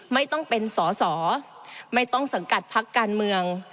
ไม่ต้องเป็นสอสอไม่ต้องสังกัดพักการเมือง